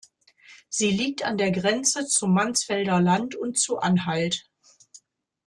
Sie liegt an der Grenze zum Mansfelder Land und zu Anhalt.